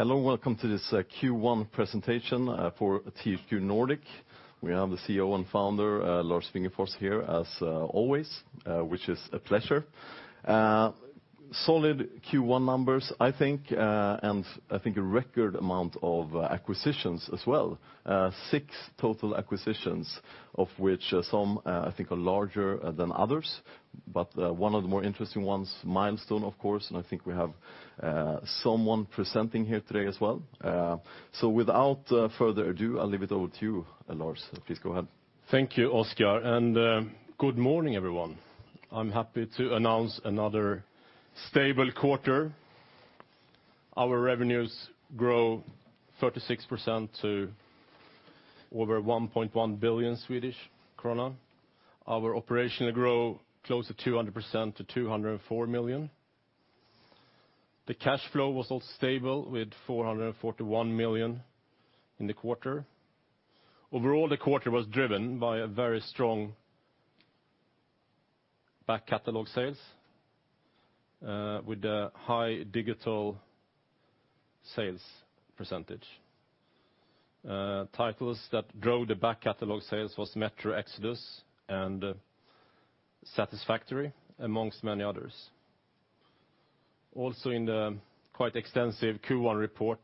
Hello, welcome to this Q1 presentation for THQ Nordic. We have the CEO and Founder, Lars Wingefors, here as always, which is a pleasure. Solid Q1 numbers, I think, and I think a record amount of acquisitions as well. 6 total acquisitions, of which some I think are larger than others, but one of the more interesting ones, Milestone, of course, and I think we have someone presenting here today as well. Without further ado, I'll leave it over to you, Lars. Please go ahead. Thank you, Oscar. Good morning, everyone. I'm happy to announce another stable quarter. Our revenues grew 36% to over 1.1 billion Swedish krona. Our operations grew close to 200% to 204 million. The cash flow was also stable with 441 million in the quarter. Overall, the quarter was driven by very strong back catalog sales, with a high digital sales %. Titles that drove the back catalog sales was Metro Exodus and Satisfactory, amongst many others. Also in the quite extensive Q1 report,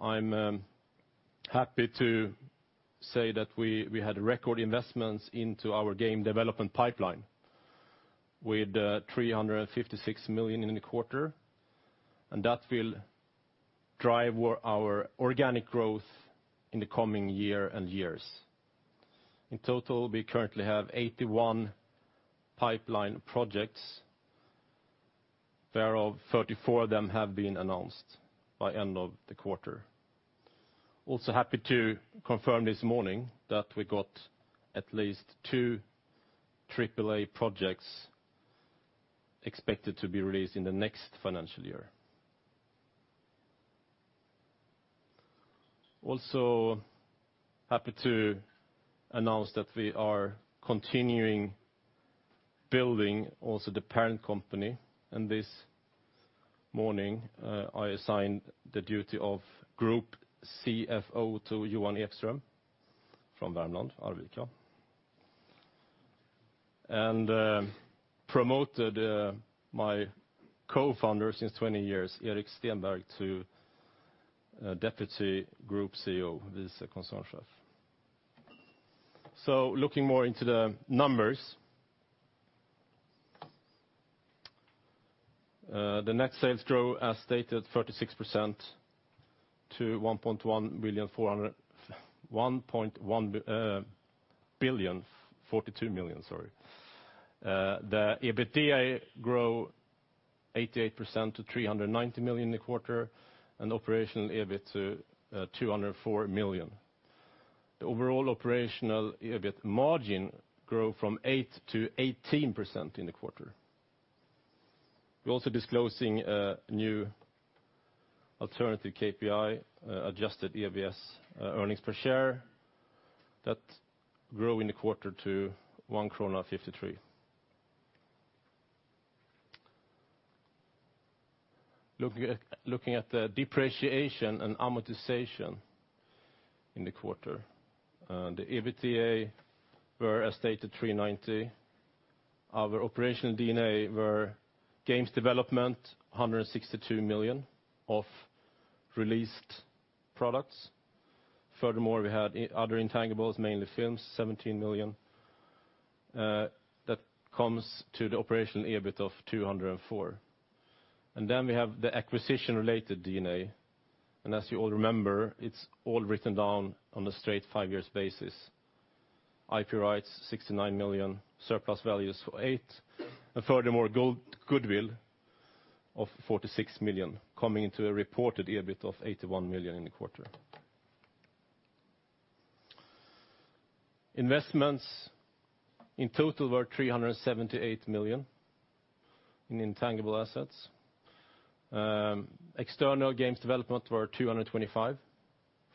I'm happy to say that we had record investments into our game development pipeline with 356 million in the quarter, and that will drive our organic growth in the coming year and years. In total, we currently have 81 pipeline projects, whereof 34 of them have been announced by end of the quarter. Happy to confirm this morning that we got at least two AAA projects expected to be released in the next financial year. Happy to announce that we are continuing building also the parent company. This morning, I assigned the duty of Group CFO to Johan Ekström from Värmland, Arvika. Promoted my co-founder since 20 years, Erik Stenberg, to Deputy Group CEO, vice koncernchef. Looking more into the numbers. The net sales grew, as stated, 36% to 1.142 billion. The EBITDA grew 88% to 390 million in the quarter. Operational EBIT to 204 million. The overall operational EBIT margin grew from 8%-18% in the quarter. We're also disclosing a new alternative KPI, adjusted EPS, earnings per share, that grew in the quarter to 1.53 krona. Looking at the depreciation and amortization in the quarter, the EBITDA were, as stated, 390. Our operational D&A were games development, 162 million of released products. Furthermore, we had other intangibles, mainly films, 17 million. That comes to the operational EBIT of 204 million. Then we have the acquisition-related D&A. As you all remember, it's all written down on a straight five years basis. IP rights, 69 million, surplus values, 8 million, and furthermore, goodwill of 46 million, coming to a reported EBIT of 81 million in the quarter. Investments in total were 378 million in intangible assets. External games development were 225 million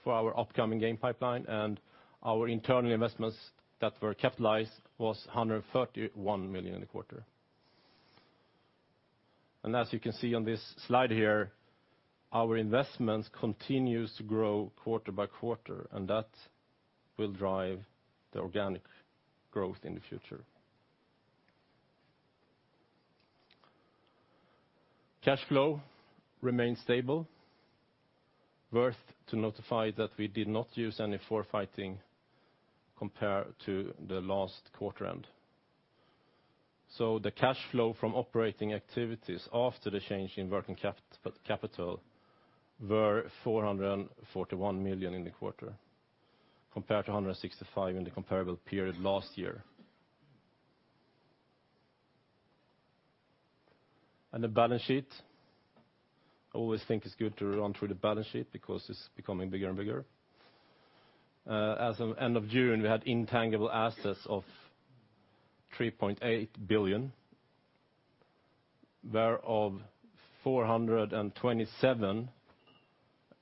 for our upcoming game pipeline, and our internal investments that were capitalized was 131 million in the quarter. As you can see on this slide here, our investments continues to grow quarter by quarter, and that will drive the organic growth in the future. Cash flow remains stable. Worth to notify that we did not use any forfeiting compared to the last quarter-end. The cash flow from operating activities after the change in working capital were 441 million in the quarter, compared to 165 million in the comparable period last year. The balance sheet. I always think it's good to run through the balance sheet because it's becoming bigger and bigger. As of end of June, we had intangible assets of 3.8 billion, whereof 427 million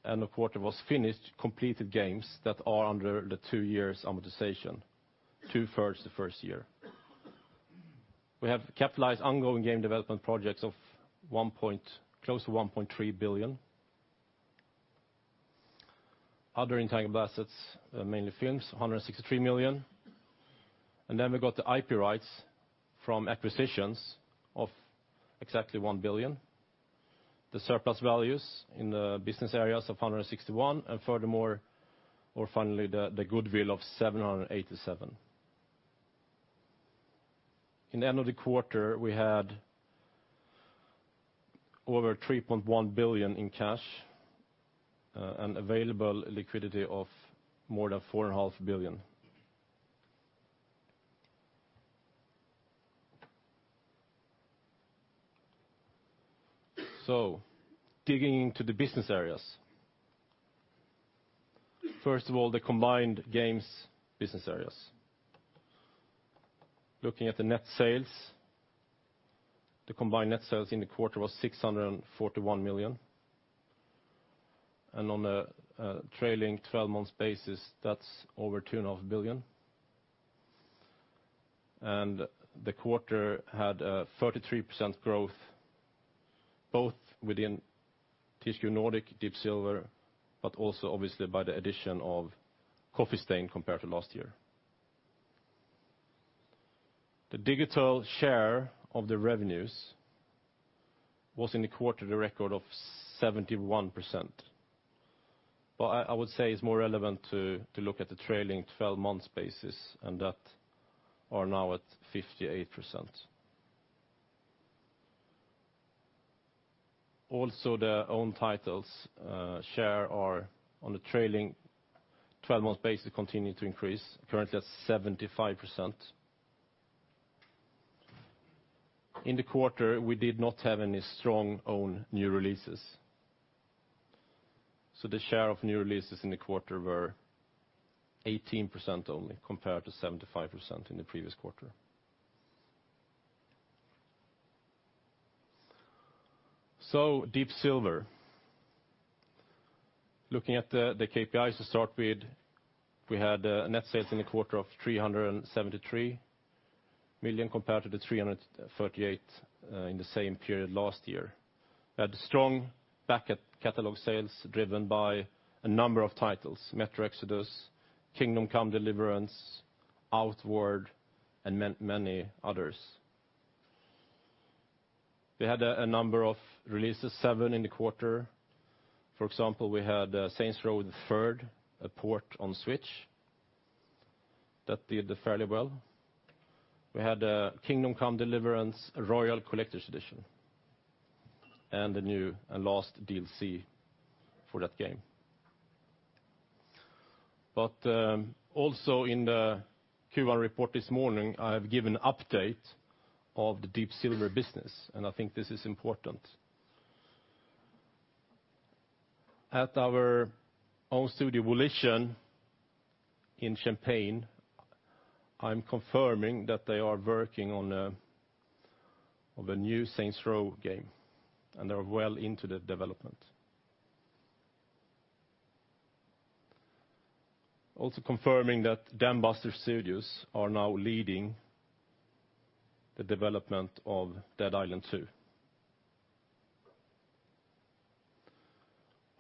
end of quarter was finished, completed games that are under the two years' amortization, two-thirds the first year. We have capitalized ongoing game development projects of close to 1.3 billion. Other intangible assets, mainly films, 163 million. We got the IP rights from acquisitions of exactly 1 billion. The surplus values in the business areas of 161 million and furthermore, or finally, the goodwill of 787 million. In the end of the quarter, we had over 3.1 billion in cash, and available liquidity of more than 4.5 billion. Digging into the business areas. First of all, the combined games business areas. Looking at the net sales, the combined net sales in the quarter was 641 million. On a trailing 12 months basis, that's over 2.5 billion. The quarter had a 33% growth both within THQ Nordic, Deep Silver, but also obviously by the addition of Coffee Stain compared to last year. The digital share of the revenues was in the quarter the record of 71%. I would say it's more relevant to look at the trailing 12 months basis, and that are now at 58%. Their own titles share are on a trailing 12 months basis continue to increase, currently at 75%. In the quarter, we did not have any strong own new releases. The share of new releases in the quarter were 18% only compared to 75% in the previous quarter. Deep Silver. Looking at the KPIs to start with, we had net sales in the quarter of 373 million compared to 338 million in the same period last year. We had strong back catalog sales driven by a number of titles, Metro Exodus, Kingdom Come: Deliverance, Outward, and many others. We had a number of releases, seven in the quarter. For example, we had Saints Row the third, a port on Switch. That did fairly well. We had Kingdom Come: Deliverance, a Royal Collector's Edition, and the new and last DLC for that game. Also in the Q1 report this morning, I have given update of the Deep Silver business, and I think this is important. At our own studio, Volition, in Champaign, I'm confirming that they are working on the new "Saints Row" game, and they're well into the development. Confirming that Dambuster Studios are now leading the development of "Dead Island 2."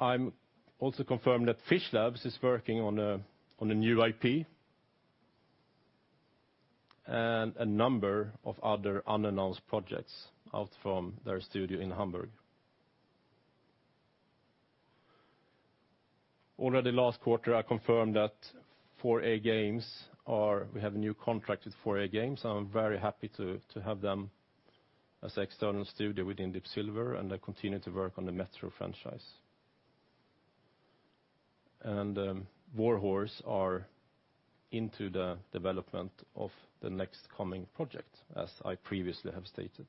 I'm also confirmed that Fishlabs is working on a new IP and a number of other unannounced projects out from their studio in Hamburg. Already last quarter, I confirmed that we have a new contract with 4A Games. I'm very happy to have them as external studio within Deep Silver, and they continue to work on the "Metro" franchise. Warhorse are into the development of the next coming project, as I previously have stated.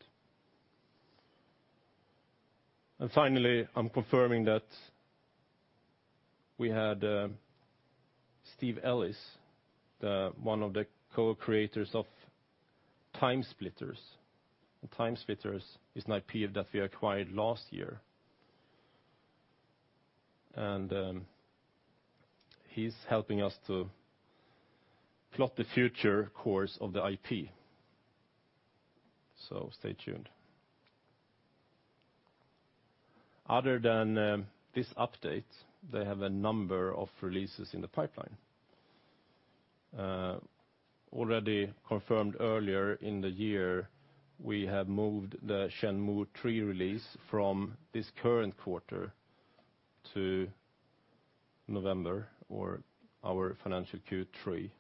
Finally, I'm confirming that we had Steve Ellis, one of the co-creators of "TimeSplitters," and "TimeSplitters" is an IP that we acquired last year. He's helping us to plot the future course of the IP. Stay tuned. Other than this update, they have a number of releases in the pipeline. Already confirmed earlier in the year, we have moved the Shenmue III release from this current quarter to November or our financial Q3.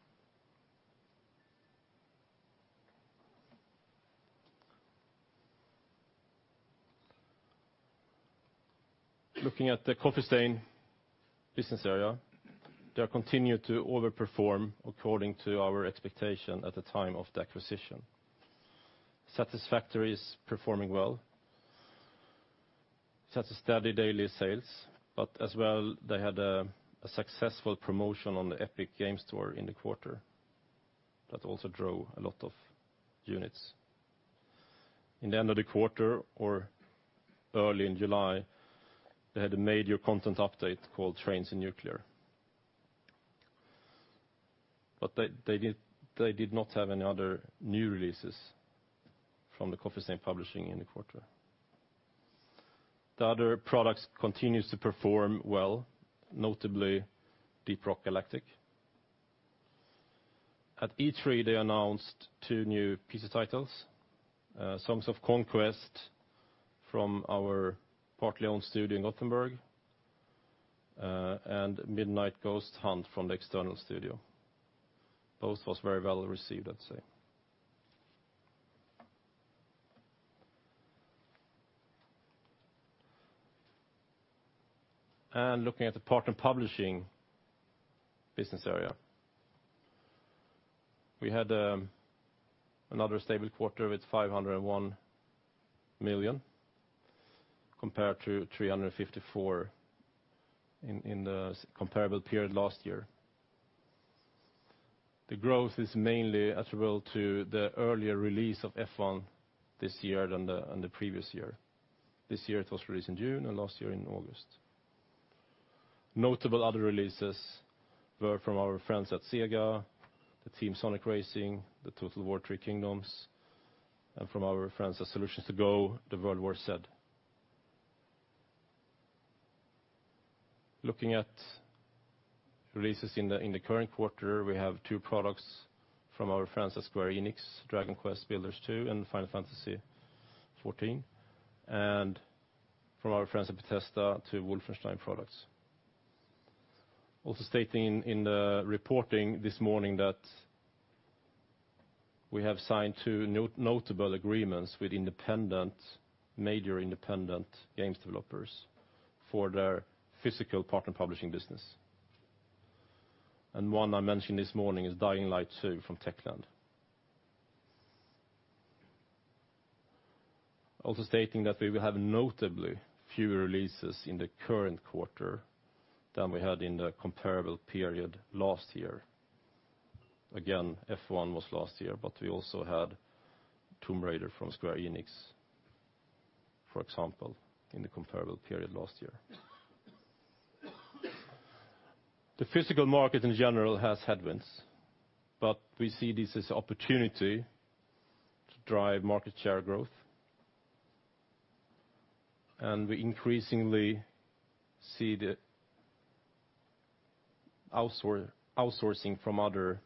Looking at the Coffee Stain business area, they continue to over-perform according to our expectation at the time of the acquisition. Satisfactory is performing well. Such a steady daily sales, but as well, they had a successful promotion on the Epic Games Store in the quarter that also drove a lot of units. In the end of the quarter or early in July, they had a major content update called Trains & Nuclear. They did not have any other new releases from the Coffee Stain Publishing in the quarter. The other products continues to perform well, notably Deep Rock Galactic. At E3, they announced two new PC titles, Songs of Conquest from our partly owned studio in Gothenburg, and Midnight Ghost Hunt from the external studio. Both was very well received, I'd say. Looking at the Partner Publishing business area. We had another stable quarter with 501 million, compared to 354 in the comparable period last year. The growth is mainly attributable to the earlier release of F1 this year than the previous year. This year it was released in June, and last year in August. Notable other releases were from our friends at Sega, the Team Sonic Racing, the Total War: Three Kingdoms, and from our friends at Solutions 2 Go, the World War Z. Looking at releases in the current quarter, we have two products from our friends at Square Enix, Dragon Quest Builders 2 and Final Fantasy XIV, and from our friends at Bethesda, two Wolfenstein products. Also stating in the reporting this morning that we have signed two notable agreements with major independent games developers for their physical partner publishing business. One I mentioned this morning is Dying Light 2 from Techland. Also stating that we will have notably fewer releases in the current quarter than we had in the comparable period last year. Again, F1 was last year, but we also had Tomb Raider from Square Enix, for example, in the comparable period last year. The physical market in general has headwinds, but we see this as opportunity to drive market share growth. We increasingly see the outsourcing from other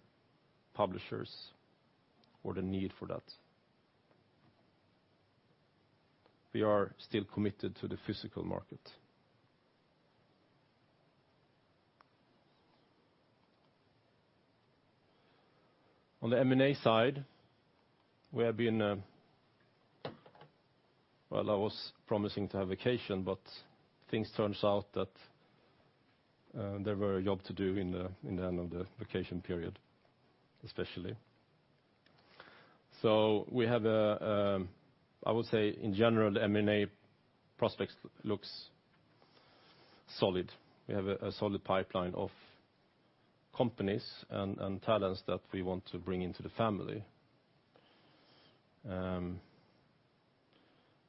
publishers or the need for that. We are still committed to the physical market. On the M&A side, well, I was promising to have vacation, but things turns out that there were a job to do in the end of the vacation period, especially. We have, I would say in general, the M&A prospects looks solid. We have a solid pipeline of companies and talents that we want to bring into the family,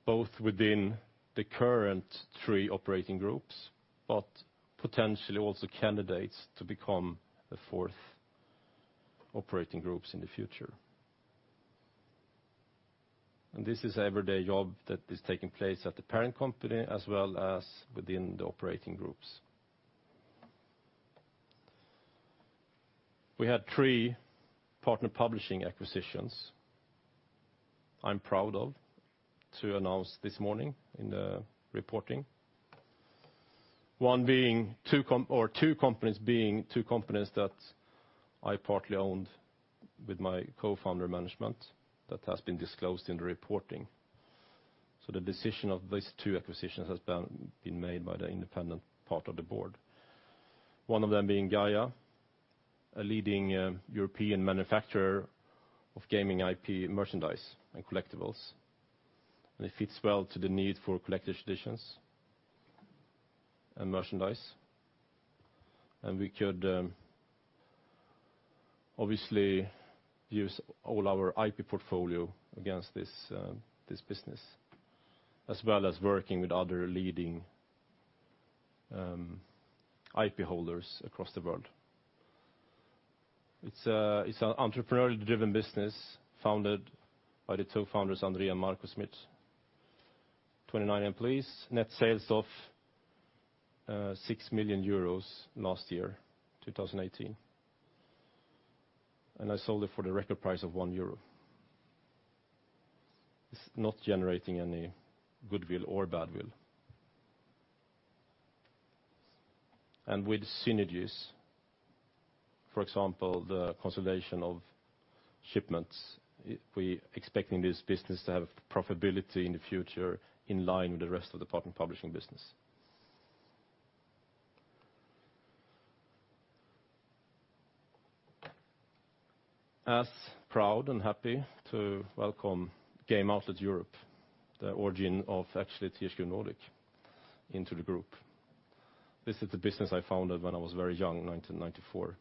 both within the current three operating groups, but potentially also candidates to become the fourth operating groups in the future. This is everyday job that is taking place at the parent company as well as within the operating groups. We had three partner publishing acquisitions I'm proud of to announce this morning in the reporting. Two companies that I partly owned with my co-founder management that has been disclosed in the reporting. The decision of these two acquisitions has been made by the independent part of the board. One of them being Gaya, a leading European manufacturer of gaming IP merchandise and collectibles. It fits well to the need for collector's editions and merchandise. We could obviously use all our IP portfolio against this business, as well as working with other leading IP holders across the world. It's an entrepreneurially driven business founded by the two founders, Andrea and Marco Schmidt, 29 employees, net sales of 6 million euros last year, 2018. I sold it for the record price of 1 euro. It's not generating any goodwill or bad will. With synergies, for example, the consolidation of shipments, we expecting this business to have profitability in the future in line with the rest of the partner publishing business. We are proud and happy to welcome Game Outlet Europe, the origin of actually THQ Nordic, into the group. This is the business I founded when I was very young, 1994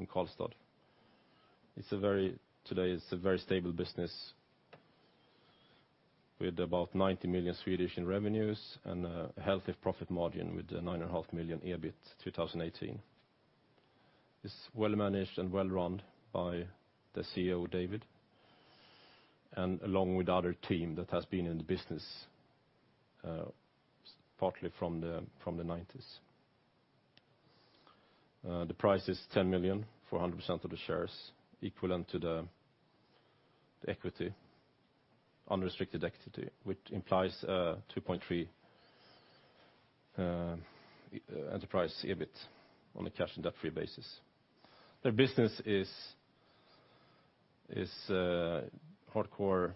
in Karlstad. Today it's a very stable business with about 90 million in revenues and a healthy profit margin with 9.5 million EBIT 2018. It's well-managed and well-run by the CEO, David, and along with the other team that has been in the business partly from the '90s. The price is 10 million for 100% of the shares, equivalent to the unrestricted equity, which implies a 2.3 enterprise EBIT on a cash and debt-free basis. Their business is hardcore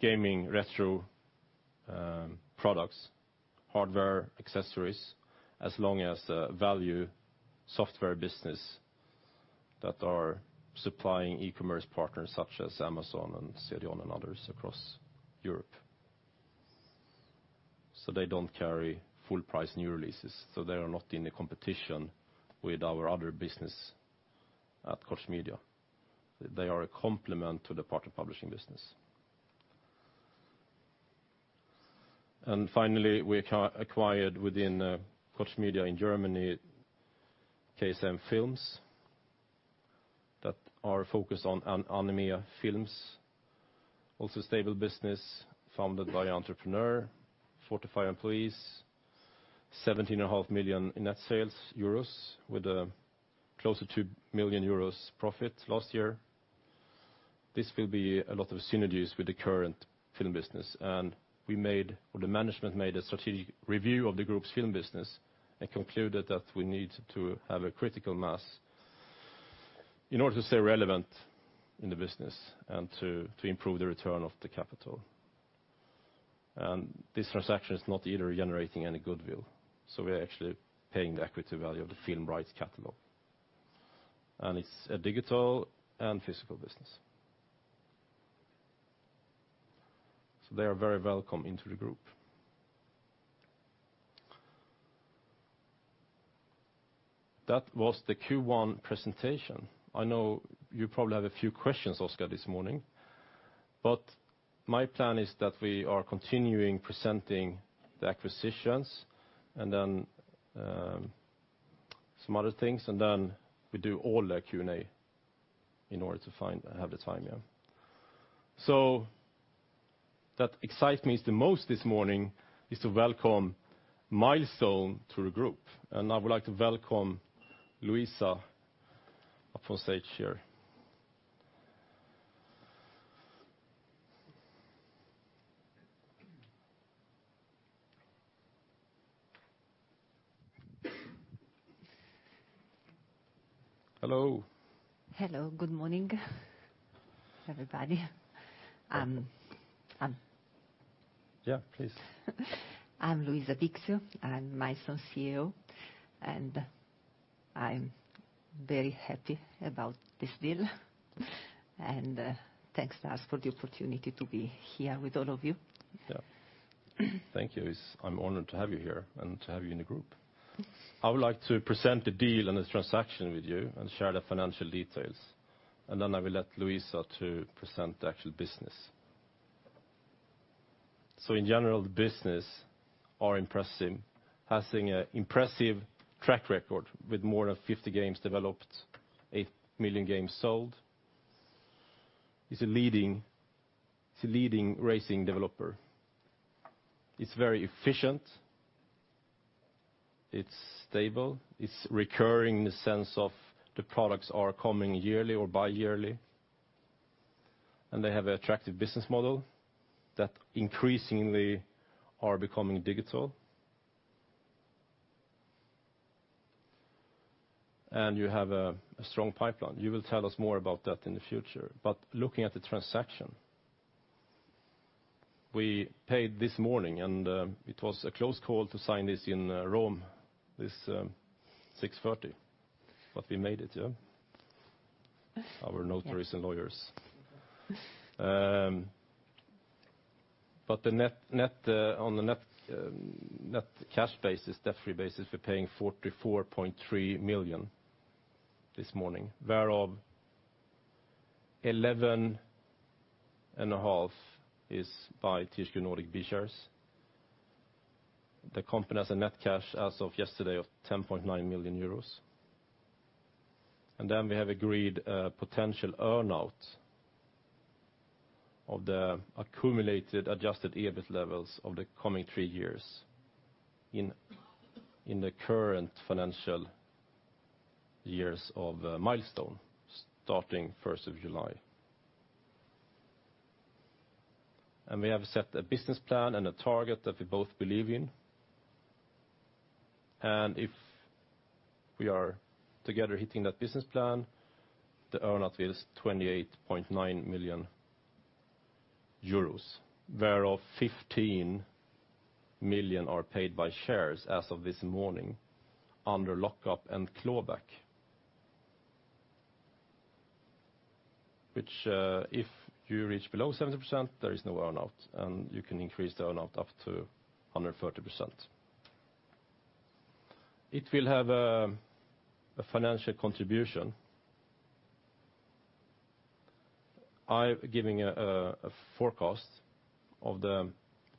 gaming, retro products, hardware, accessories, as well as value software business that are supplying e-commerce partners such as Amazon and [Azerion] and others across Europe. They don't carry full price new releases, so they are not in a competition with our other business at Koch Media. They are a complement to the part of publishing business. Finally, we acquired within Koch Media in Germany, KSM Films, that are focused on anime films. Also stable business founded by entrepreneur, 45 employees, 17.5 million in net sales with a closer to 1 million euros profit last year. This will be a lot of synergies with the current film business. The management made a strategic review of the group's film business and concluded that we need to have a critical mass in order to stay relevant in the business and to improve the return of the capital. This transaction is not either generating any goodwill. We are actually paying the equity value of the film rights catalog. It's a digital and physical business. They are very welcome into the group. That was the Q1 presentation. I know you probably have a few questions, Oscar, this morning, but my plan is that we are continuing presenting the acquisitions and then some other things, and then we do all the Q&A in order to have the time. What excites me the most this morning is to welcome Milestone to the group. I would like to welcome Luisa up on stage here. Hello. Hello. Good morning, everybody. Yeah, please. I'm Luisa Bixio. I'm Milestone CEO, and I'm very happy about this deal, and thanks Lars for the opportunity to be here with all of you. Yeah. Thank you, Luisa. I'm honored to have you here and to have you in the group. I would like to present the deal and the transaction with you and share the financial details, then I will let Luisa to present the actual business. In general, the business are impressive. Possessing impressive track record with more than 50 games developed, eight million games sold. It's a leading racing developer. It's very efficient, it's stable, it's recurring in the sense of the products are coming yearly or bi-yearly, and they have an attractive business model that increasingly are becoming digital. You have a strong pipeline. You will tell us more about that in the future. Looking at the transaction, we paid this morning, and it was a close call to sign this in Rome, this 6:30, but we made it. Our notaries and lawyers. On the net cash basis, debt-free basis, we're paying 44.3 million this morning, whereof 11.5 million is by THQ Nordic B-shares. The company has a net cash as of yesterday of 10.9 million euros. We have agreed a potential earn-out of the accumulated adjusted EBIT levels of the coming three years in the current financial years of Milestone, starting 1st of July. We have set a business plan and a target that we both believe in. If we are together hitting that business plan, the earn-out is 28.9 million euros, whereof 15 million are paid by shares as of this morning under lockup and clawback, which if you reach below 70%, there is no earn-out, and you can increase the earn-out up to 130%. It will have a financial contribution. I'm giving a forecast of the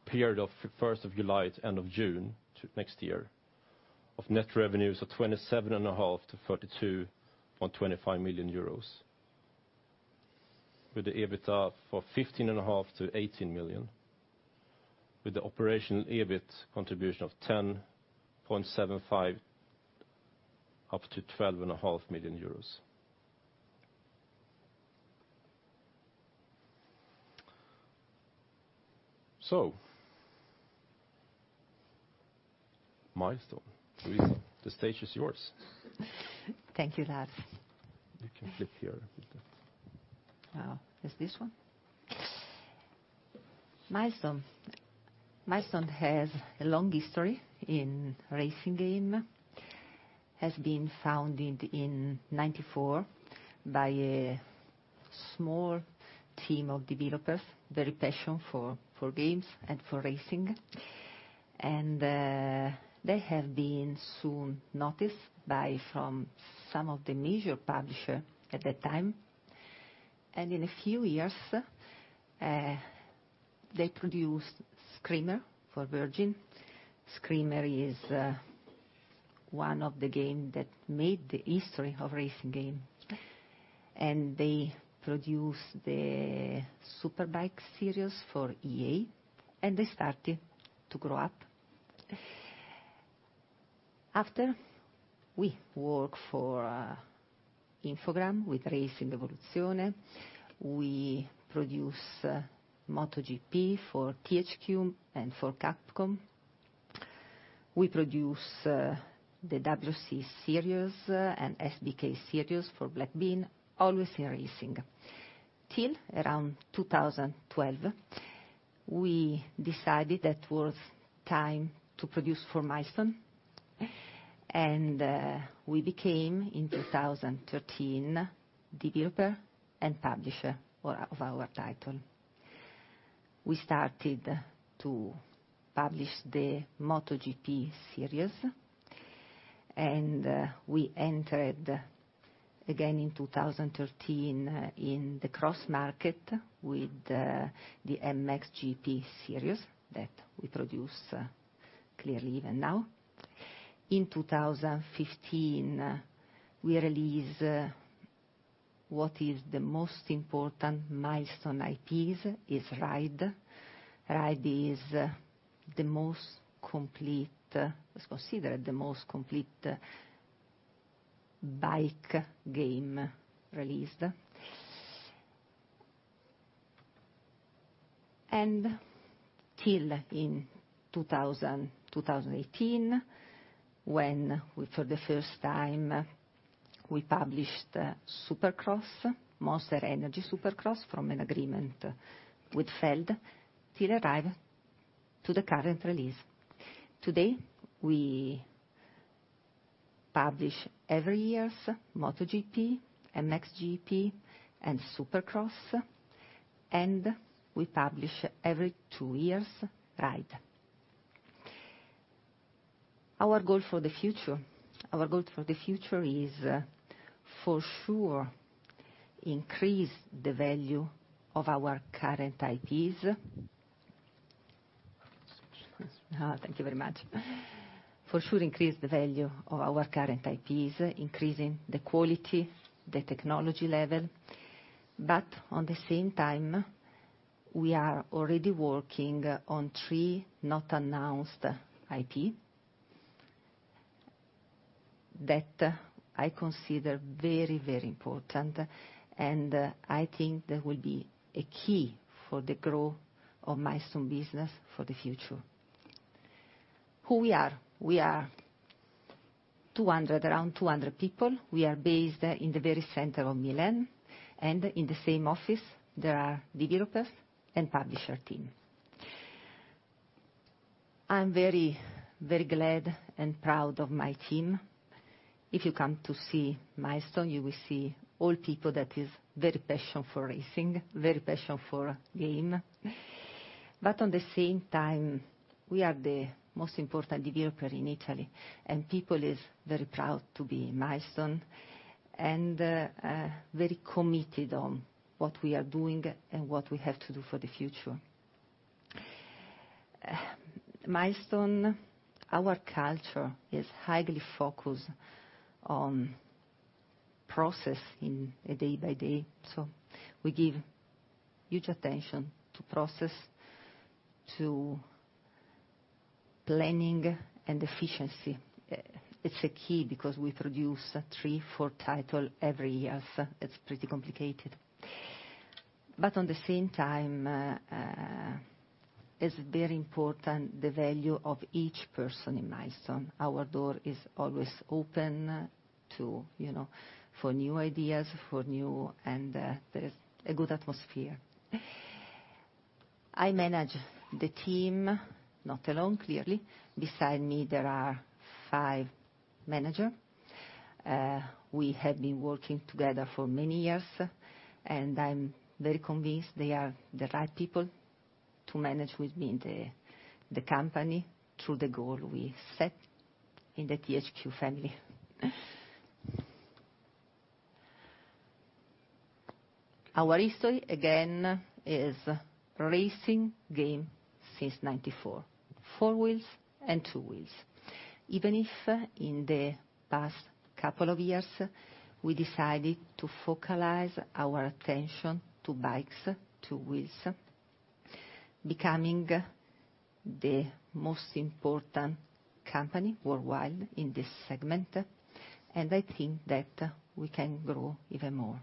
period of 1st of July to end of June, to next year, of net revenues of 27.5 million-32.25 million euros. With the EBITDA of 15.5 million-18 million, with the operational EBIT contribution of 10.75 million up to 12.5 million euros. Milestone. Luisa, the stage is yours. Thank you, Lars. You can sit here. Wow. It's this one? Yes. Milestone has a long history in racing game. It has been founded in 1994 by a small team of developers, very passion for games and for racing. They have been soon noticed by some of the major publisher at that time. In a few years, they produced Screamer for Virgin. Screamer is one of the game that made the history of racing game. They produced the Superbike series for EA, and they started to grow up. After, we work for Infogrames with Racing Evoluzione. We produce MotoGP for THQ and for Capcom. We produce the WRC series and SBK series for Black Bean, always in racing. Till around 2012, we decided that it was time to produce for Milestone, and we became, in 2013, developer and publisher of our title. We started to publish the MotoGP series, we entered again in 2013 in the cross market with the MXGP series that we produce clearly even now. In 2015, we released what is the most important Milestone IPs, is Ride. Ride is considered the most complete bike game released. Till in 2018, when we, for the first time, we published Supercross, Monster Energy Supercross, from an agreement with Feld, till arrive to the current release. Today, we publish every years MotoGP, MXGP, and Supercross, and we publish every two years, Ride. Our goal for the future is for sure increase the value of our current IPs. Switch this. Oh, thank you very much. For sure increase the value of our current IPs, increasing the quality, the technology level. On the same time, we are already working on three not announced IP that I consider very important, and I think they will be a key for the growth of Milestone business for the future. Who we are? We are around 200 people. We are based in the very center of Milan, and in the same office there are developers and publisher team. I'm very glad and proud of my team. If you come to see Milestone, you will see all people that is very passion for racing, very passion for game. On the same time, we are the most important developer in Italy, and people is very proud to be in Milestone and very committed on what we are doing and what we have to do for the future. Milestone, our culture is highly focused on process in a day by day. We give huge attention to process, to planning, and efficiency. It's a key because we produce three, four title every years. It's pretty complicated. On the same time, is very important the value of each person in Milestone. Our door is always open for new ideas, for new and there's a good atmosphere. I manage the team, not alone clearly. Beside me, there are five managers. We have been working together for many years, and I'm very convinced they are the right people to manage with me the company through the goal we set in the THQ family. Our history, again, is racing games since 1994, four wheels and two wheels. Even if in the past couple of years, we decided to focalize our attention to bikes, two wheels, becoming the most important company worldwide in this segment, and I think that we can grow even more.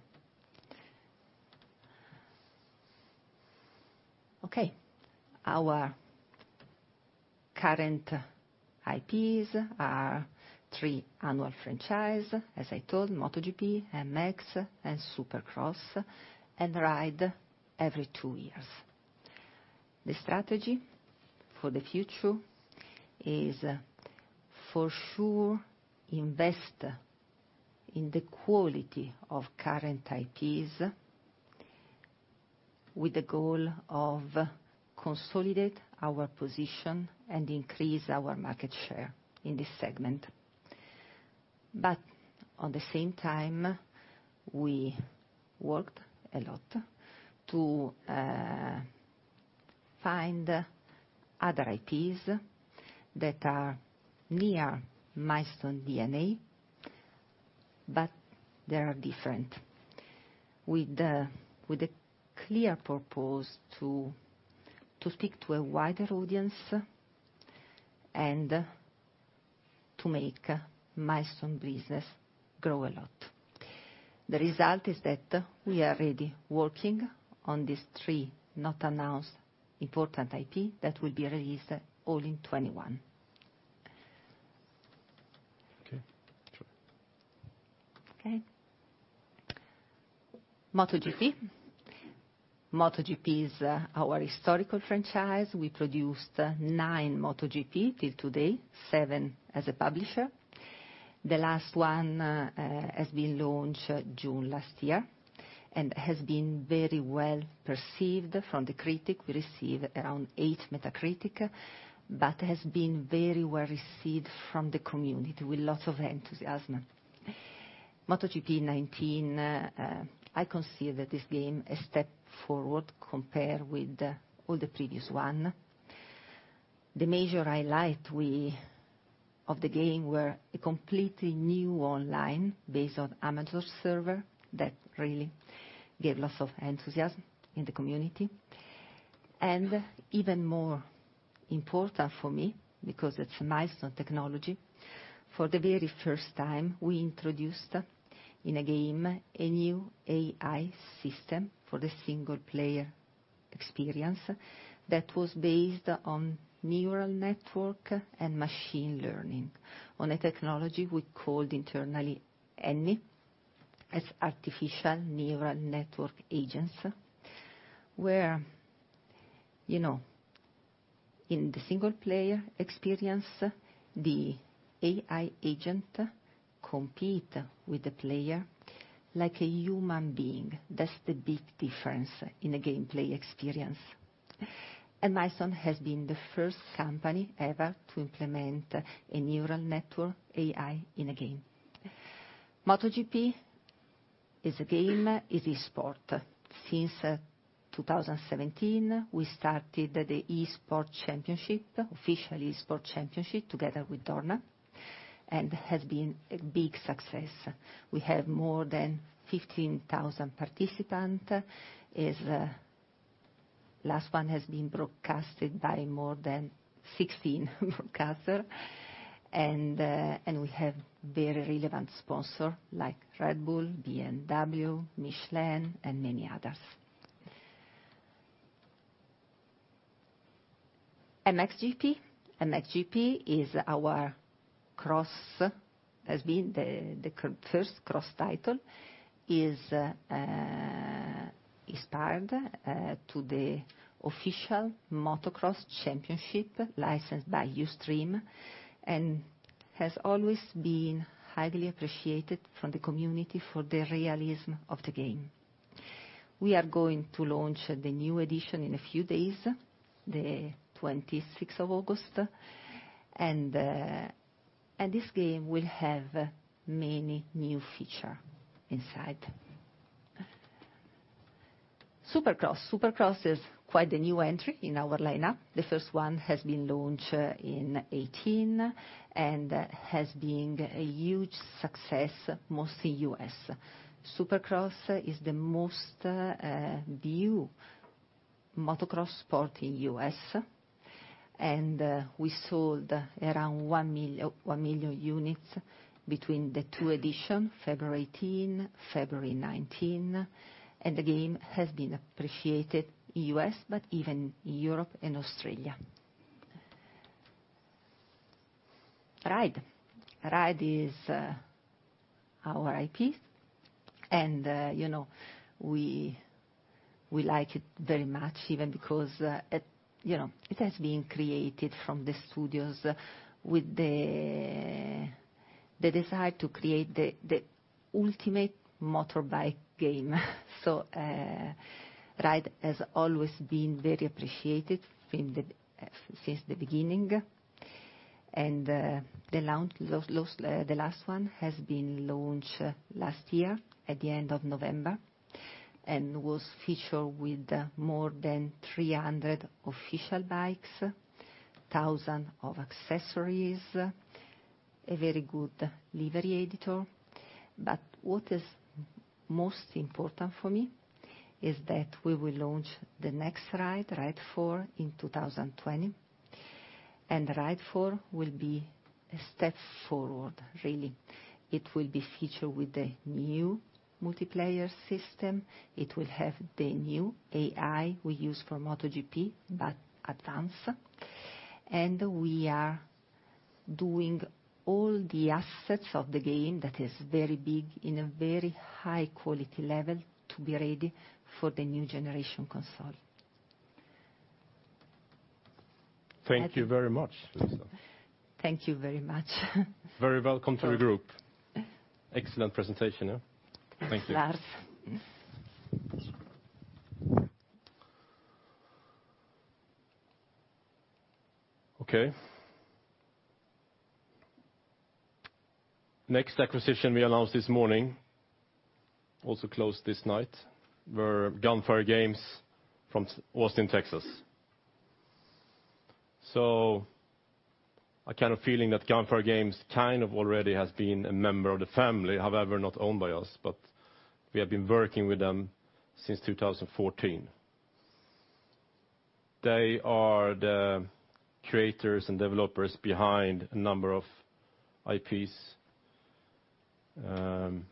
Okay. Our current IPs are three annual franchises, as I told, "MotoGP," "MX," and "Supercross," and "Ride" every two years. The strategy for the future is, for sure, invest in the quality of current IPs with the goal of consolidate our position and increase our market share in this segment. At the same time, we worked a lot to find other IPs that are near Milestone's D&A, but they are different, with a clear purpose to speak to a wider audience and to make Milestone business grow a lot. The result is that we are already working on these three not announced important IP that will be released all in 2021. Okay, sure. MotoGP." "MotoGP" is our historical franchise. We produced nine "MotoGP" till today, seven as a publisher. The last one has been launched June last year and has been very well-perceived from the critic. We received around eight Metacritic, but has been very well-received from the community with lots of enthusiasm. "MotoGP 19," I consider this game a step forward compared with all the previous one. The major highlight of the game were a completely new online, based on Amazon server, that really gave lots of enthusiasm in the community. Even more important for me, because it's Milestone technology, for the very first time, we introduced in a game a new AI system for the single-player experience that was based on neural network and machine learning, on a technology we called internally ANNA, as Artificial Neural Network Agents, where in the single-player experience, the AI agent compete with the player like a human being. That's the big difference in a gameplay experience. Milestone has been the first company ever to implement a neural network AI in a game. MotoGP is a game, is esport. Since 2017, we started the official esport championship together with Dorna, and has been a big success. We have more than 15,000 participant. Last one has been broadcasted by more than 16 broadcaster. We have very relevant sponsor like Red Bull, BMW, Michelin, and many others. MXGP." "MXGP" is our cross, has been the first cross title, is inspired to the official Motocross Championship licensed by Youthstream, and has always been highly appreciated from the community for the realism of the game. We are going to launch the new edition in a few days, the 26th of August, and this game will have many new feature inside. "Supercross." "Supercross" is quite a new entry in our lineup. The first one has been launched in 2018 and has been a huge success, mostly U.S. "Supercross" is the most viewed motocross sport in U.S., and we sold around 1 million units between the two edition, February 2018, February 2019, and the game has been appreciated U.S., but even Europe and Australia. Ride. Ride is our IP. We like it very much, because it has been created from the studios with the desire to create the ultimate motorbike game. Ride has always been very appreciated since the beginning. The last one has been launched last year at the end of November and was featured with more than 300 official bikes, thousand of accessories, a very good livery editor. What is most important for me is that we will launch the next Ride 4, in 2020. Ride 4 will be a step forward, really. It will be featured with a new multiplayer system. It will have the new AI we use for MotoGP, but advanced. We are doing all the assets of the game, that is very big, in a very high quality level to be ready for the new generation console. Thank you very much, Luisa. Thank you very much. Very welcome to the group. Excellent presentation. Thank you. Thanks, Lars. Okay. Next acquisition we announced this morning, also closed this night, were Gunfire Games from Austin, Texas. I kind of feeling that Gunfire Games kind of already has been a member of the family, however, not owned by us, but we have been working with them since 2014. They are the creators and developers behind a number of IPs, and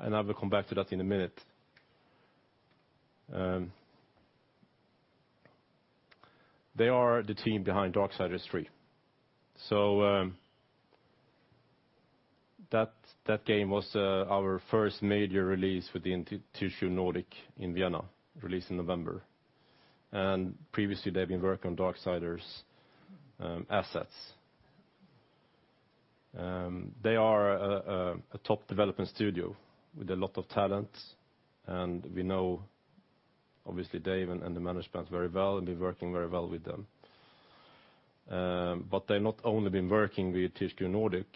I will come back to that in a minute. They are the team behind Darksiders III. That game was our first major release with the THQ Nordic in Vienna, released in November. Previously they've been working on Darksiders assets. They are a top development studio with a lot of talent, and we know, obviously, Dave and the management very well and been working very well with them. They've not only been working with THQ Nordic,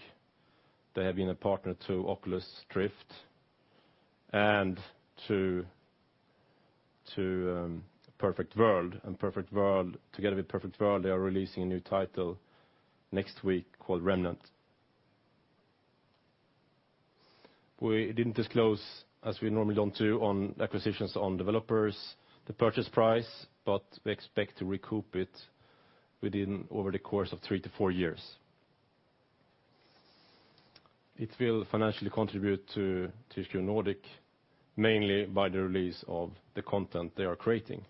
they have been a partner to Oculus Rift and to Perfect World. Together with Perfect World, they are releasing a new title next week called Remnant. We didn't disclose, as we normally don't do on acquisitions on developers, the purchase price, but we expect to recoup it within over the course of 3 to 4 years. It will financially contribute to THQ Nordic, mainly by the release of the content they are creating.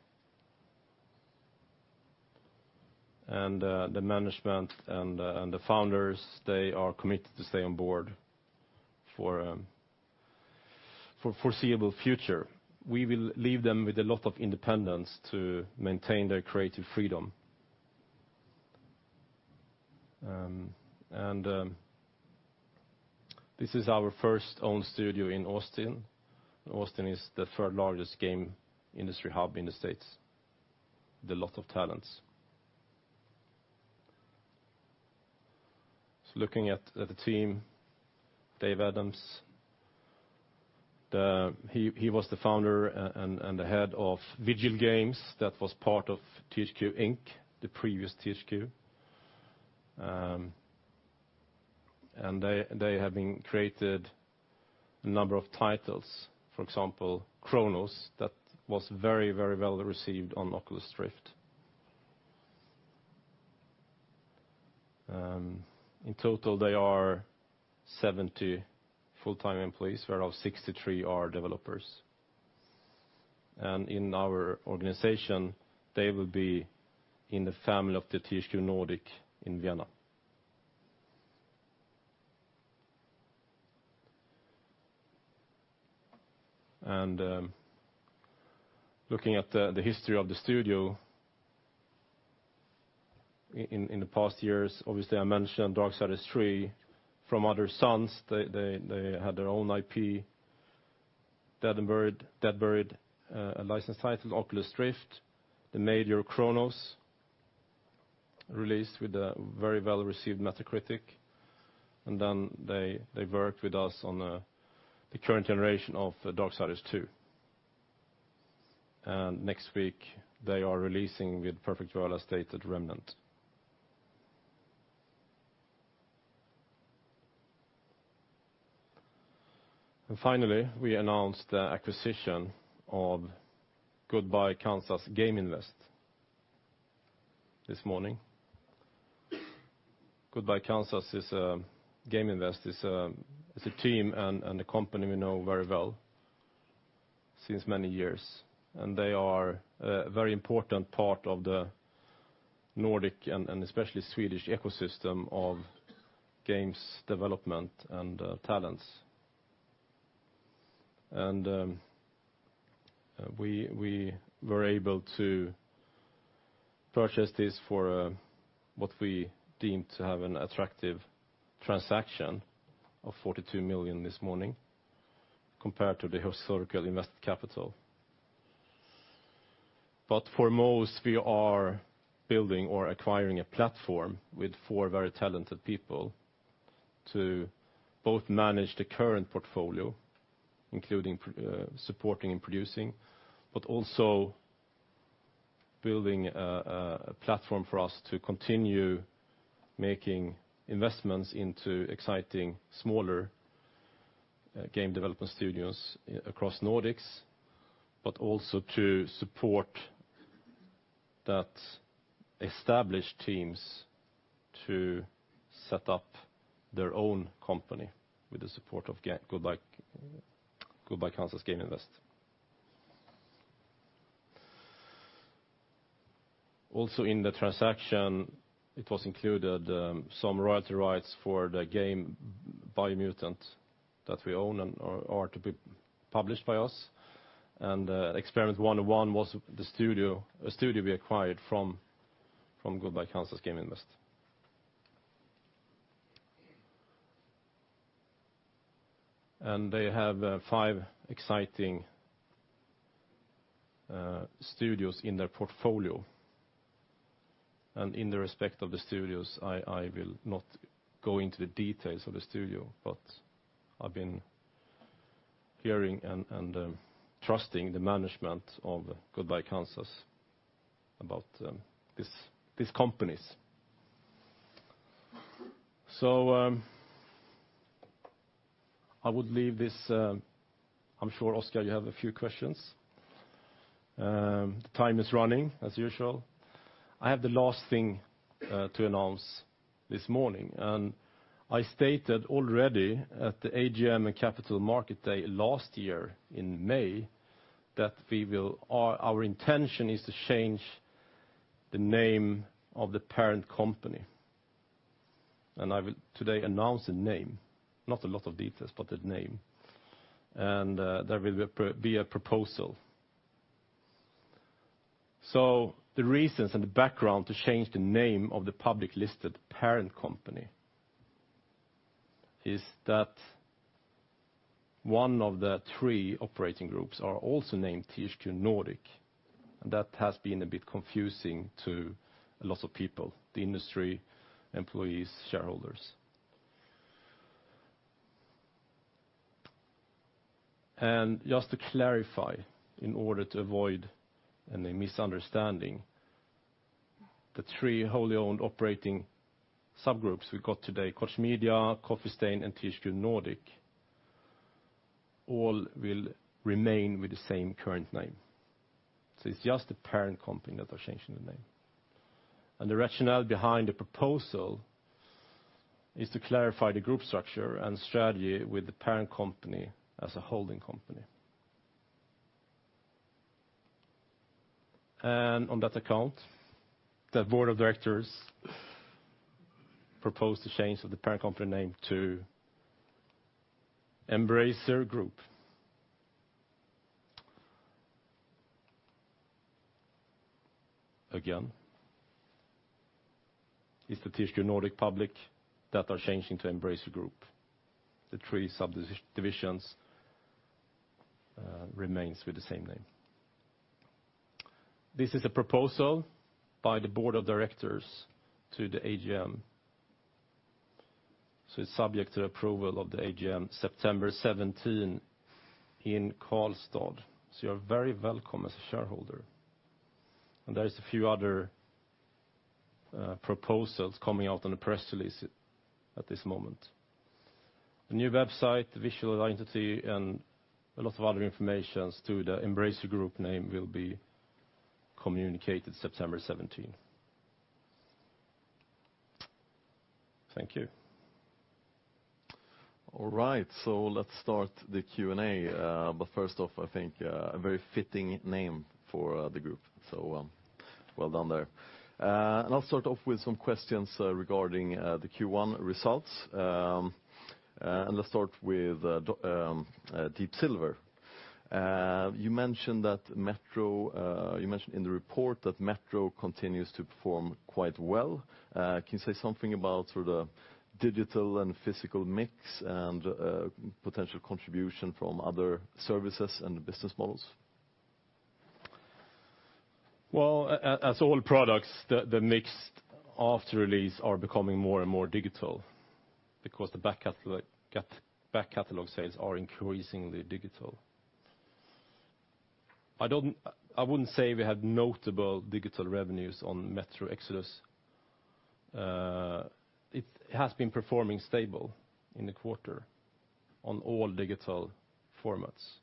The management and the founders, they are committed to stay on board for foreseeable future. We will leave them with a lot of independence to maintain their creative freedom. This is our first own studio in Austin. Austin is the third largest game industry hub in the U.S. with a lot of talents. Looking at the team, David Adams, he was the founder and the head of Vigil Games. That was part of THQ Inc., the previous THQ. They have created a number of titles. For example, Chronos, that was very well received on Oculus Rift. In total, they are 70 full-time employees, whereof 63 are developers. In our organization, they will be in the family of the THQ Nordic in Vienna. Looking at the history of the studio in the past years, obviously, I mentioned Darksiders III. From other sources, they had their own IP, Deadbird, a licensed title, Oculus Rift. They made Chronos, released with a very well-received Metacritic, and then they worked with us on the current generation of Darksiders II. Next week they are releasing with Perfect World as stated, Remnant. Finally, we announced the acquisition of Goodbye Kansas Game Invest this morning. Goodbye Kansas Game Invest is a team and a company we know very well since many years, and they are a very important part of the Nordic and especially Swedish ecosystem of games development and talents. We were able to purchase this for what we deemed to have an attractive transaction of 42 million this morning compared to the historical invested capital. Foremost, we are building or acquiring a platform with four very talented people to both manage the current portfolio, including supporting and producing, but also building a platform for us to continue making investments into exciting smaller game development studios across Nordics, but also to support that established teams to set up their own company with the support of Goodbye Kansas Game Invest. In the transaction, it was included some royalty rights for the game Biomutant that we own and are to be published by us, and Experiment 101 was a studio we acquired from Goodbye Kansas Game Invest. They have five exciting studios in their portfolio. In the respect of the studios, I will not go into the details of the studio, but I've been hearing and trusting the management of Goodbye Kansas about these companies. I would leave this. I'm sure, Oscar, you have a few questions. Time is running as usual. I have the last thing to announce this morning. I stated already at the AGM and Capital Market Day last year in May that our intention is to change the name of the parent company. I will today announce a name, not a lot of details, but a name. There will be a proposal. The reasons and the background to change the name of the public listed parent company is that one of the three operating groups are also named THQ Nordic. That has been a bit confusing to a lot of people, the industry, employees, shareholders. Just to clarify, in order to avoid any misunderstanding, the three wholly owned operating subgroups we got today, Koch Media, Coffee Stain, and THQ Nordic, all will remain with the same current name. It's just the parent company that are changing the name. The rationale behind the proposal is to clarify the group structure and strategy with the parent company as a holding company. On that account, the Board of Directors proposed the change of the parent company name to Embracer Group. Again, it's the THQ Nordic public that are changing to Embracer Group. The three subdivisions remains with the same name. This is a proposal by the Board of Directors to the AGM, so it's subject to approval of the AGM September 17 in Karlstad. You are very welcome as a shareholder. There is a few other proposals coming out on the press release at this moment. The new website, the visual identity, and a lot of other information to the Embracer Group name will be communicated September 17. Thank you. All right. Let's start the Q&A. First off, I think a very fitting name for the group. Well done there. I'll start off with some questions regarding the Q1 results. Let's start with Deep Silver. You mentioned in the report that Metro continues to perform quite well. Can you say something about sort of digital and physical mix and potential contribution from other services and business models? Well, as all products, the mix after release are becoming more and more digital because the back catalog sales are increasingly digital. I wouldn't say we have notable digital revenues on Metro Exodus. It has been performing stable in the quarter on all digital formats.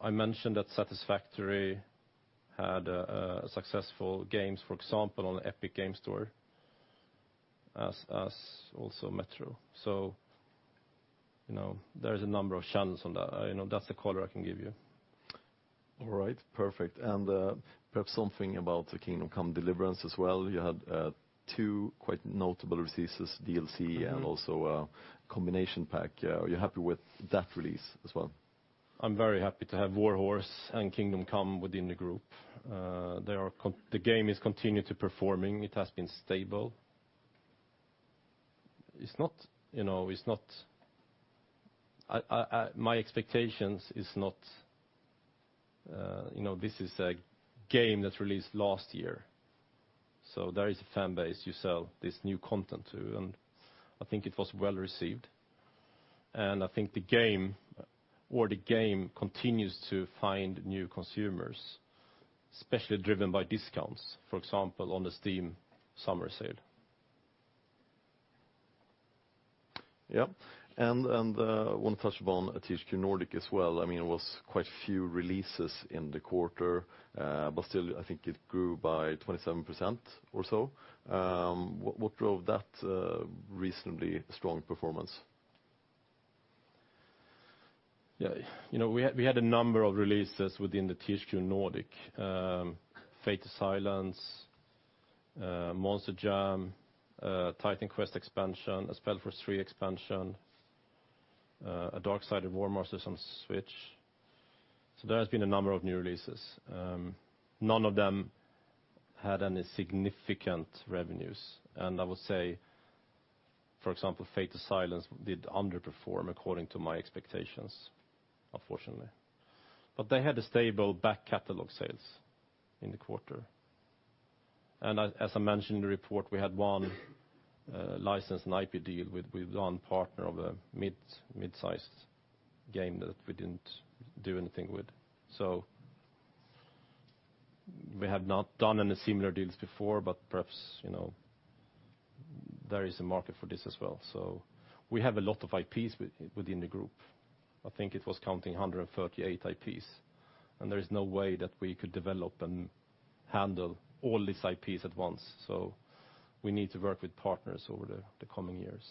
I mentioned that Satisfactory had successful games, for example, on Epic Games Store as also Metro. There is a number of channels on that. That's the color I can give you. All right. Perfect. Perhaps something about the Kingdom Come: Deliverance as well. You had two quite notable releases, DLC and also a combination pack. Are you happy with that release as well? I'm very happy to have Warhorse and Kingdom Come within the group. The game is continuing to perform. It has been stable. My expectations is not this is a game that released last year. There is a fan base you sell this new content to, and I think it was well-received. I think the game continues to find new consumers, especially driven by discounts. For example, on the Steam summer sale. Yeah. I want to touch upon THQ Nordic as well. It was quite few releases in the quarter, but still, I think it grew by 27% or so. What drove that reasonably strong performance? We had a number of releases within the THQ Nordic. Fade to Silence, Monster Jam, Titan Quest expansion, a SpellForce 3 expansion, a Darksiders Warmastered Edition on Switch. There has been a number of new releases. None of them had any significant revenues. I would say, for example, Fade to Silence did underperform according to my expectations, unfortunately. They had stable back-catalog sales in the quarter. As I mentioned in the report, we had one licensed IP deal with one partner of a mid-sized game that we didn't do anything with. We have not done any similar deals before, but perhaps there is a market for this as well. We have a lot of IPs within the group. I think it was counting 138 IPs, and there is no way that we could develop and handle all these IPs at once. We need to work with partners over the coming years.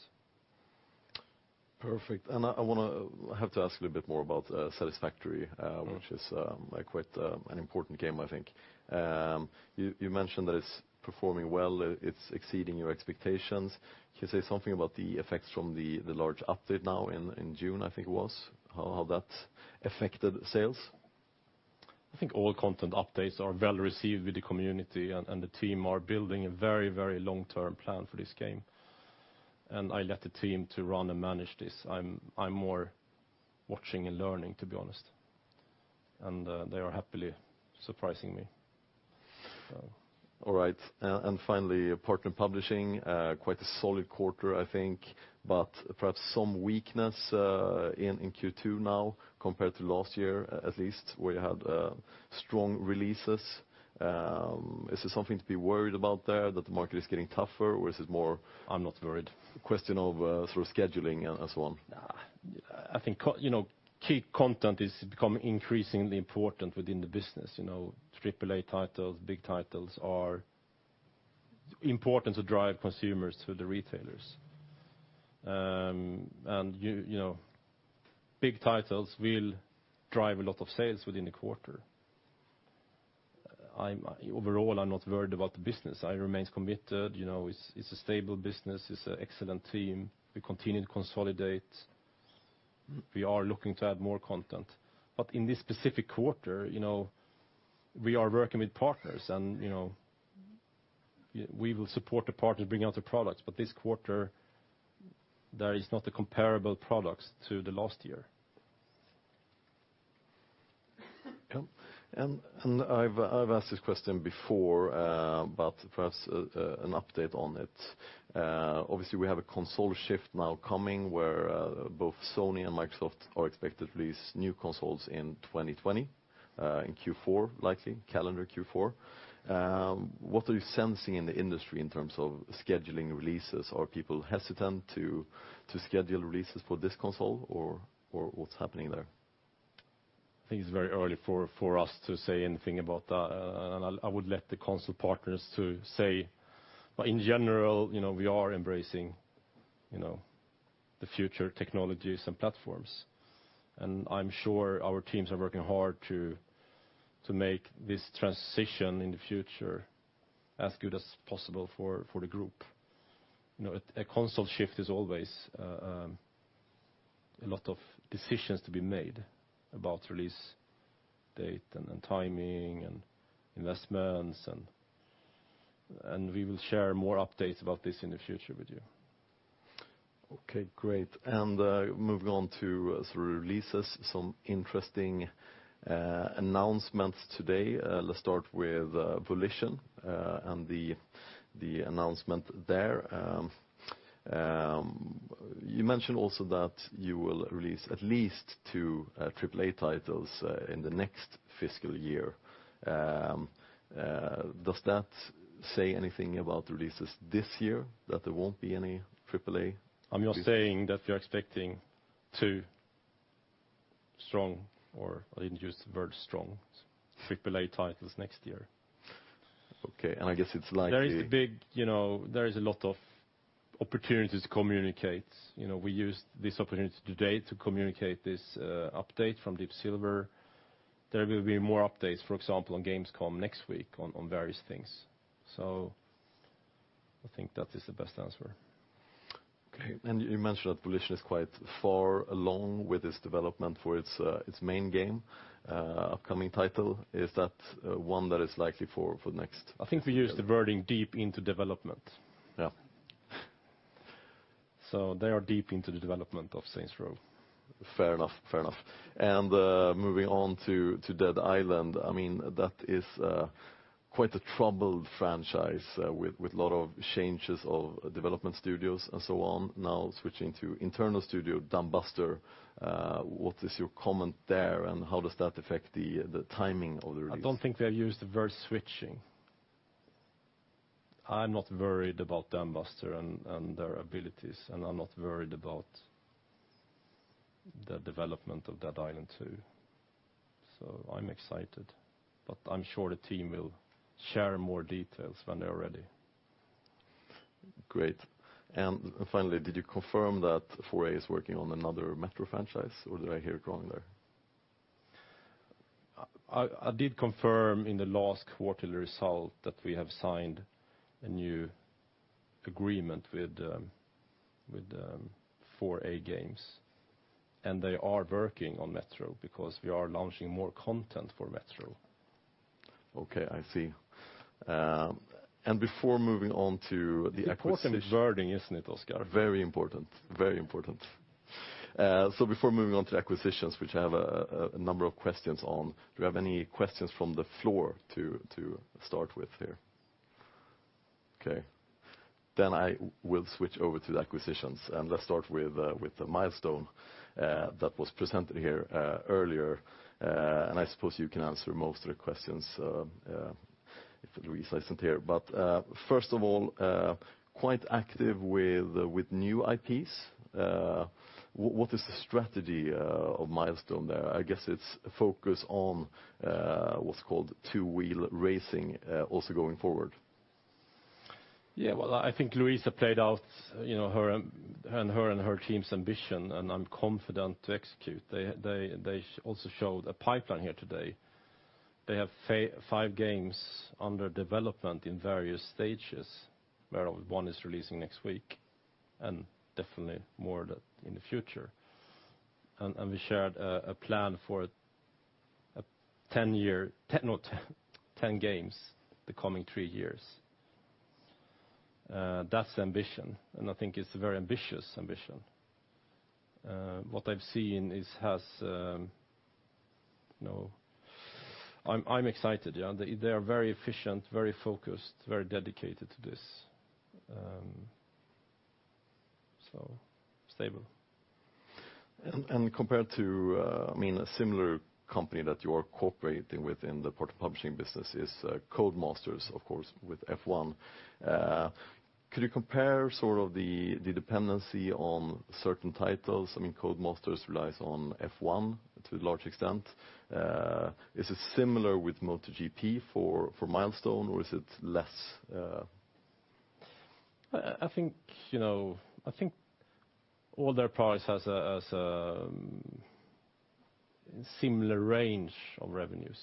Perfect. I have to ask a little bit more about Satisfactory, which is quite an important game, I think. You mentioned that it's performing well, it's exceeding your expectations. Can you say something about the effects from the large update now in June, I think it was? How that affected sales? I think all content updates are well received with the community. The team are building a very long-term plan for this game. I let the team run and manage this. I'm more watching and learning, to be honest. They are happily surprising me. All right. Finally, partner publishing, quite a solid quarter, I think, but perhaps some weakness in Q2 now compared to last year, at least, where you had strong releases. Is there something to be worried about there, that the market is getting tougher? Is it more- I'm not worried. question of sort of scheduling and so on? I think key content is becoming increasingly important within the business. AAA titles, big titles are important to drive consumers to the retailers. Big titles will drive a lot of sales within a quarter. Overall, I'm not worried about the business. I remain committed. It's a stable business. It's an excellent team. We continue to consolidate. We are looking to add more content. In this specific quarter, we are working with partners, and we will support the partners bringing out the products. This quarter, there is not the comparable products to the last year. Yeah. I've asked this question before, but perhaps an update on it. Obviously, we have a console shift now coming where both Sony and Microsoft are expected to release new consoles in 2020, in Q4 likely, calendar Q4. What are you sensing in the industry in terms of scheduling releases? Are people hesitant to schedule releases for this console or what's happening there? I think it's very early for us to say anything about that. I would let the console partners say. In general, we are embracing the future technologies and platforms. I'm sure our teams are working hard to make this transition in the future as good as possible for the group. A console shift is always a lot of decisions to be made about release date and timing and investments. We will share more updates about this in the future with you. Okay, great. Moving on to sort of releases, some interesting announcements today. Let's start with Volition and the announcement there. You mentioned also that you will release at least two AAA titles in the next fiscal year. Does that say anything about releases this year that there won't be any AAA? I'm just saying that we are expecting two strong, or I didn't use the word strong, AAA titles next year. Okay. I guess it's likely- There is a lot of opportunities to communicate. We used this opportunity today to communicate this update from Deep Silver. There will be more updates, for example, on Gamescom next week on various things. I think that is the best answer. Okay. You mentioned that Volition is quite far along with its development for its main game, upcoming title. Is that one that is likely for next- I think we used the wording deep into development. Yeah. They are deep into the development of "Saints Row. Fair enough. Moving on to Dead Island. That is quite a troubled franchise, with a lot of changes of development studios and so on. Now switching to internal studio, Dambuster. What is your comment there, and how does that affect the timing of the release? I don't think we have used the word switching. I'm not worried about Dambuster and their abilities, and I'm not worried about the development of Dead Island 2. I'm excited, but I'm sure the team will share more details when they are ready. Great. Finally, did you confirm that 4A is working on another "Metro" franchise, or did I hear wrong there? I did confirm in the last quarterly result that we have signed a new agreement with 4A Games. They are working on "Metro" because we are launching more content for "Metro. Okay, I see. Before moving on to the acquisition. Important wording, isn't it, Oscar? Very important. Before moving on to acquisitions, which I have a number of questions on, do we have any questions from the floor to start with here? Okay. I will switch over to the acquisitions, and let's start with the Milestone that was presented here earlier. I suppose you can answer most of the questions, if Luisa isn't here. First of all, quite active with new IPs. What is the strategy of Milestone there? I guess it's focus on what's called two-wheel racing, also going forward. Well, I think Luisa played out her and her team's ambition, and I'm confident to execute. They also showed a pipeline here today. They have five games under development in various stages, where one is releasing next week, and definitely more in the future. We shared a plan for 10 games the coming three years. That's the ambition, and I think it's a very ambitious ambition. What I've seen, I'm excited. They are very efficient, very focused, very dedicated to this. Stable. Compared to a similar company that you are cooperating with in the portal publishing business is, Codemasters, of course, with F1. Could you compare sort of the dependency on certain titles? Codemasters relies on F1 to a large extent. Is it similar with MotoGP for Milestone, or is it less? I think all their products has a similar range of revenues.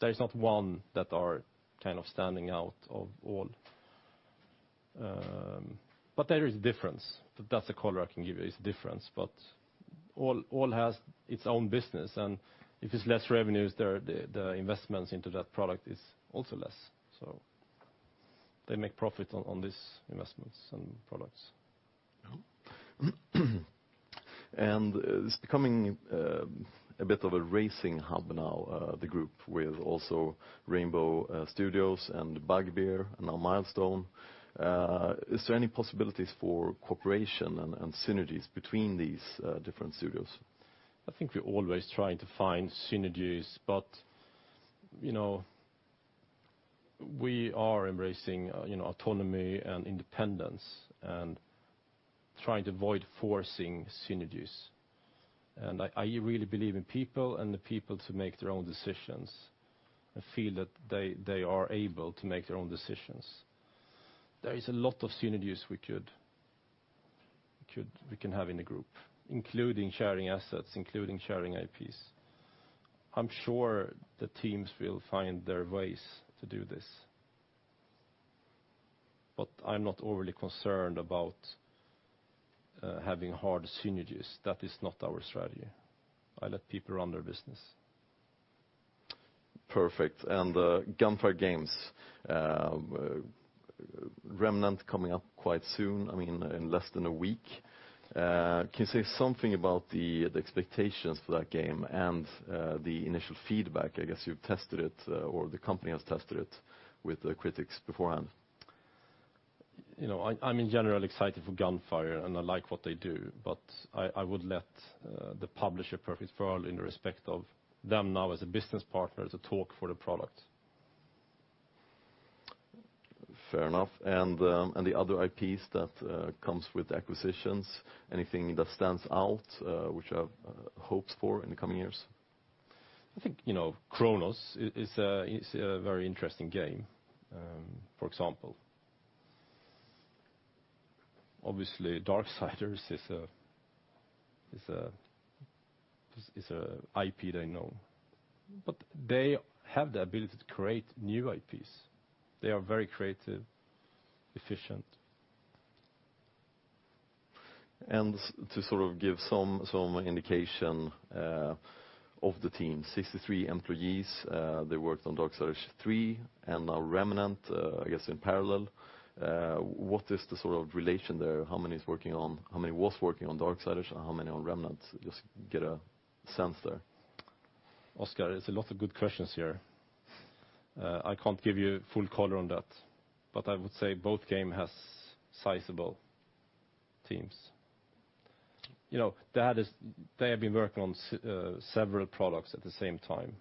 There is not one that are kind of standing out of all. There is difference. That's the color I can give you, is difference. All has its own business, and if it's less revenues, the investments into that product is also less. They make profit on these investments and products. It's becoming a bit of a racing hub now, the group with also Rainbow Studios and Bugbear and now Milestone. Is there any possibilities for cooperation and synergies between these different studios? I think we're always trying to find synergies, but we are embracing autonomy and independence and trying to avoid forcing synergies. I really believe in people and the people to make their own decisions. I feel that they are able to make their own decisions. There is a lot of synergies we can have in the group, including sharing assets, including sharing IPs. I'm sure the teams will find their ways to do this. I'm not overly concerned about having hard synergies. That is not our strategy. I let people run their business. Perfect. Gunfire Games, "Remnant" coming up quite soon, in less than a week. Can you say something about the expectations for that game and the initial feedback? I guess you've tested it, or the company has tested it with the critics beforehand. I'm in general excited for Gunfire, and I like what they do, but I would let the publisher Perfect World in respect of them now as a business partner to talk for the product. Fair enough. The other IPs that comes with acquisitions, anything that stands out which are hopes for in the coming years? I think Chronos is a very interesting game, for example. Obviously, Darksiders is an IP they know. They have the ability to create new IPs. They are very creative, efficient. To sort of give some indication of the team, 63 employees, they worked on Darksiders III and now Remnant, I guess in parallel. What is the sort of relation there? How many was working on Darksiders and how many on Remnant? Just get a sense there. Oscar, it's a lot of good questions here. I can't give you full color on that. I would say both game has sizable teams. They have been working on several products at the same time.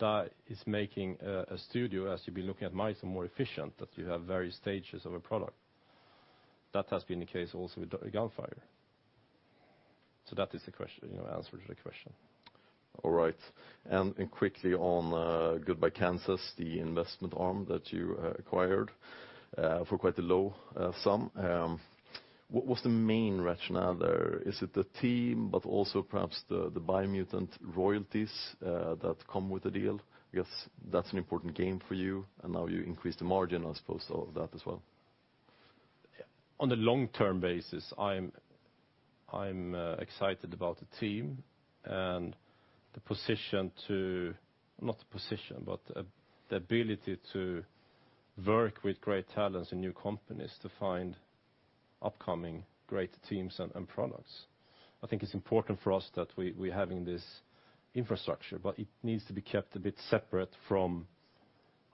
That is making a studio, as you've been looking at Milestone, more efficient, that you have various stages of a product. That has been the case also with Gunfire. That is the answer to the question. All right. Quickly on Goodbye Kansas, the investment arm that you acquired for quite a low sum. What was the main rationale there? Is it the team, but also perhaps the Biomutant royalties that come with the deal? That's an important game for you, and now you increase the margin, I suppose, of that as well. On the long-term basis, I'm excited about the team and the ability to work with great talents in new companies to find upcoming great teams and products. I think it's important for us that we have this infrastructure. It needs to be kept a bit separate from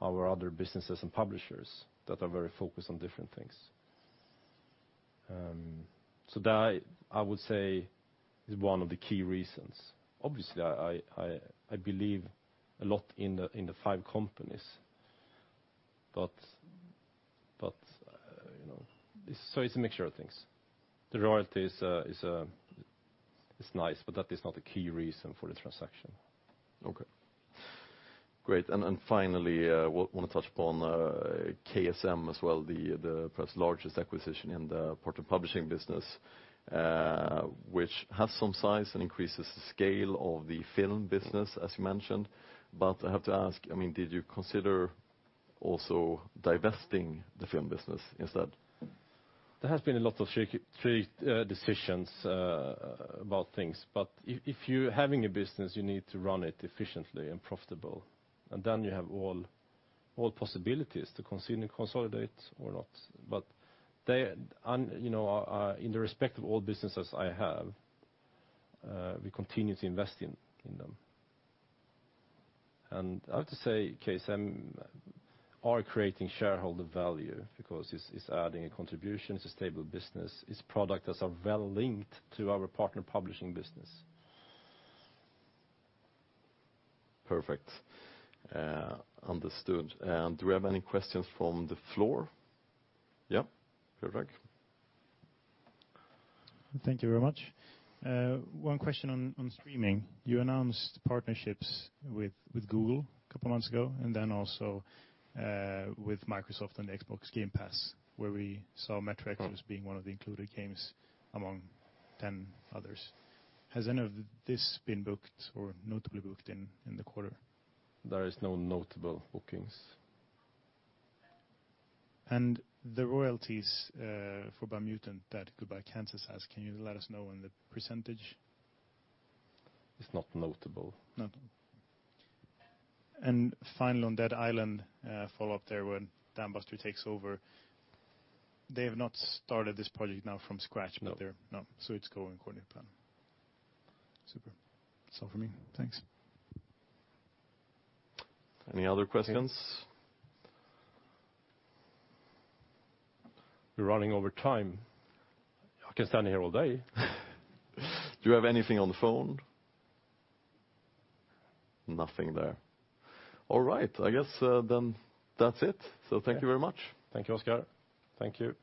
our other businesses and publishers that are very focused on different things. That, I would say is one of the key reasons. Obviously, I believe a lot in the five companies. It's a mixture of things. The royalties are nice, but that is not the key reason for the transaction. Okay. Great, finally, want to touch upon KSM as well, perhaps largest acquisition in the partner publishing business, which has some size and increases the scale of the film business, as you mentioned. I have to ask, did you consider also divesting the film business instead? There has been a lot of tricky decisions about things. If you're having a business, you need to run it efficiently and profitable, and then you have all possibilities to continue to consolidate or not. In the respect of all businesses I have, we continue to invest in them. I have to say KSM are creating shareholder value because it's adding a contribution, it's a stable business. Its product are well-linked to our partner publishing business. Perfect. Understood. Do we have any questions from the floor? Yeah, Pirag. Thank you very much. One question on streaming. You announced partnerships with Google a couple months ago, and then also with Microsoft and the Xbox Game Pass, where we saw "Metro Exodus" being one of the included games among 10 others. Has any of this been booked or notably booked in the quarter? There is no notable bookings. The royalties for Biomutant that Goodbye Kansas has, can you let us know on the percentage? It's not notable. Nothing. Finally, on "Dead Island," follow up there when Dambuster takes over, they have not started this project now from scratch. No No. It's going according to plan. Super. That's all for me. Thanks. Any other questions? We're running over time. I can stand here all day. Do you have anything on the phone? Nothing there. All right. I guess that's it. Thank you very much. Thank you, Oscar. Thank you.